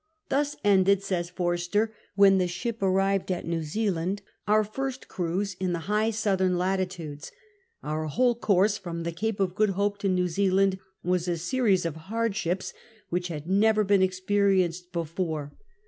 "Thus ended," says Forster, when the ship arrived at New Zealand, "our first cruise in the high southern latitudes. ... Our whole course from the Capo of Good Hope to New Zealand was a series of hardships which had never been experienced before.